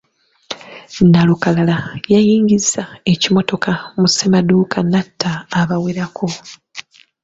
Nnalukalala yayingiza ekimotoka mu ssemaduuka n'atta abawerako.